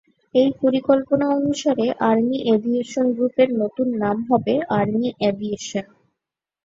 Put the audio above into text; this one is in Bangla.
এই পরিকল্পনা অনুসারে আর্মি এভিয়েশন গ্রুপের নতুন নাম হবে "আর্মি এভিয়েশন"।